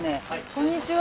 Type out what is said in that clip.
こんにちは。